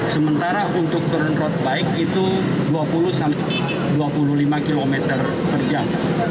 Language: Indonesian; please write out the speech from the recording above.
sementara untuk turun road bike itu dua puluh sampai dua puluh lima km per jam